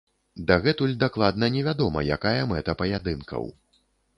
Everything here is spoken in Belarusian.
Дагэтуль дакладна невядома, якая мэта паядынкаў.